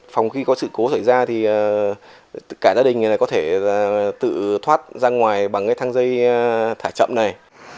phòng khi có sự cố xảy ra thì cả gia đình này có thể tự thoát ra ngoài bằng cái thang dây thả chậm này